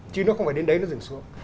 chứ nó không phải đến đấy nó dừng xuống